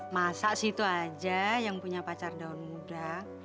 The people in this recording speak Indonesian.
masa sih itu aja yang punya pacar daun muda